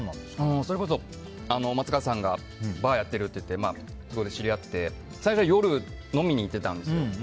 それこそ松川さんがバーやってるって言ってそこで知り合って最初は夜、飲みに行ってたんです。